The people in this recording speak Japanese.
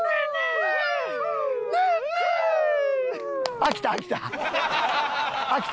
飽きた飽きた。